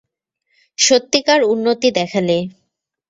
সত্যিকার উন্নতি দেখালে!